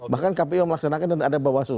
bahkan kpu melaksanakan dan ada bawaslu